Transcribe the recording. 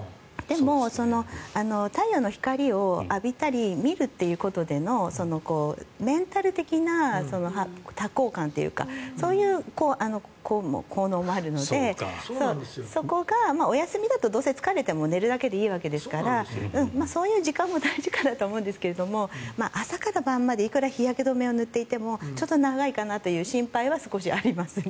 でも、太陽の光を浴びたり見るということでのメンタル的な多幸感というかそういう効能もあるのでそこがお休みだとどうせ疲れても寝るだけでいいわけですからそういう時間も大事かなと思うんですけれども朝から晩までいくら日焼け止めを塗っていてもちょっと長いかなという心配は少しありますね。